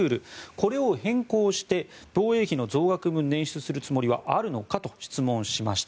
これを変更して防衛費の増額分を捻出するつもりはあるのかと質問しました。